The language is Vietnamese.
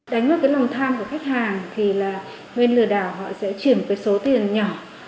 đánh vào cái lòng tham của khách hàng thì là nguyên lừa đảo họ sẽ chuyển cái số tiền nhỏ